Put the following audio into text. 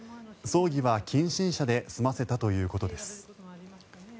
葬儀は近親者で済ませたということです。